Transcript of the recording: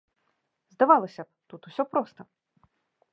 Здавалася б, тут усё проста.